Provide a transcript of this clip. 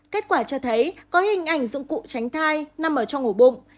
kết quả cho thấy có hình ảnh dụng cụ tránh thai nằm ở trong ngủ bụng